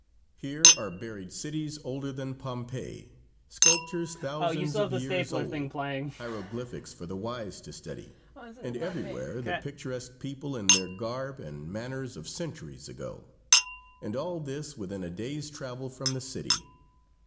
Here are buried cities older than Pompeii, sculptures thousands of years old, hieroglyphics for the wise to study, and everywhere the picturesque people in their garb and manners of centuries ago and all this within a day's travel from the city.